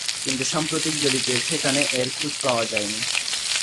কিন্তু সাম্প্রতিক জরিপে সেখানে এর খোঁজ পাওয়া যায়নি।